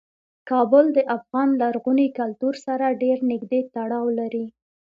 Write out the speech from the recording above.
کابل د افغان لرغوني کلتور سره ډیر نږدې تړاو لري.